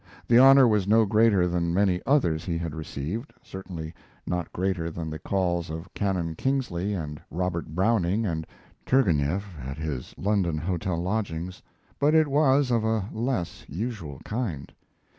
The honor was no greater than many others he had received, certainly not greater than the calls of Canon Kingsley and Robert Browning and Turgenieff at his London hotel lodgings, but it was of a less usual kind.